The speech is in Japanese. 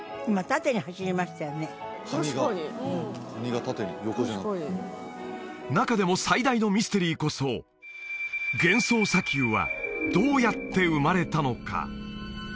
確かにカニが縦に横じゃなくて中でも最大のミステリーこそ幻想砂丘はどうやって生まれたのか？